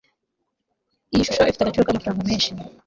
iyi shusho ifite agaciro k'amafaranga menshi